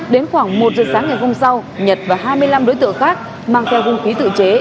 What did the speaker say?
đến khoảng một giờ sáng ngày hôm sau nhật và hai mươi năm đối tượng khác mang theo hung khí tự chế